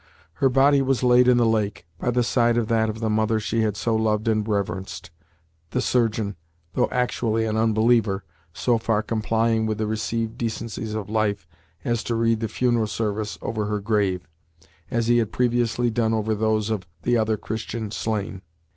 Her body was laid in the lake, by the side of that of the mother she had so loved and reverenced, the surgeon, though actually an unbeliever, so far complying with the received decencies of life as to read the funeral service over her grave, as he had previously done over those of the other Christian slain.